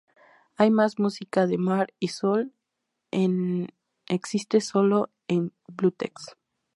Hay más música de Mar y Sol en existe solo en bootlegs.